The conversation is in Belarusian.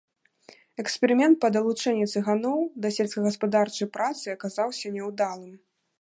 Эксперымент па далучэнні цыганоў да сельскагаспадарчай працы аказаўся няўдалым.